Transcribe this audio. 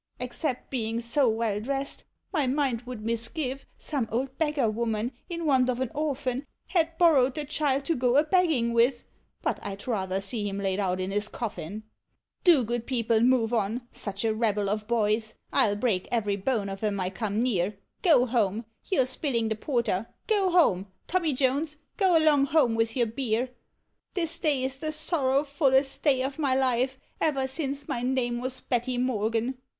Except being so well dressed, my mind would mis give, some old beggar woman, in want of an orphan, Had borrowed the child to go a begging with, but I 'd rather see him laid out in his coffin ! Do, good people, move on, such a rabble of boys! I Ml break every bone of 'em I come near, Digitized by Google 52 P0EM8 OF HOME Go borne — you 're spilling the porter— go home— Tommy Jones, go along home with your beer. This day is the sorrow fullest <lay of my life, ever since my name was Hetty Morgan.